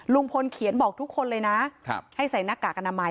ลุงพลเขียนบอกทุกคนเลยนะให้ใส่หน้ากากอนามัย